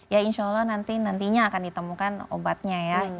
ya insya allah nantinya akan ditemukan obatnya ya